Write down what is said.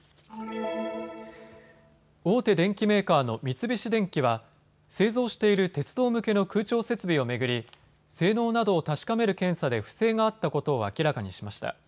大手電機メーカーの三菱電機は製造している鉄道向けの空調設備を巡り性能などを確かめる検査で不正があったことを明らかにしました。